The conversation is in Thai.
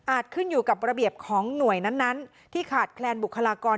ขึ้นอยู่กับระเบียบของหน่วยนั้นที่ขาดแคลนบุคลากร